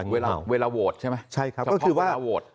เวลาโหวตใช่ไหม